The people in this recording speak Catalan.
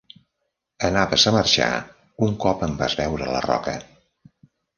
Anaves a marxar un cop em vas veure a la roca.